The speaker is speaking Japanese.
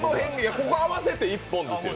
ここを合わせて１本ですよね。